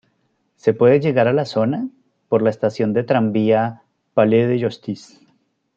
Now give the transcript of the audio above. Se puede llegar la zona por la estación de tranvía "Palais de Justice".